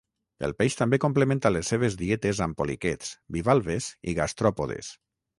El peix també complementa les seves dietes amb poliquets, bivalves i gastròpodes.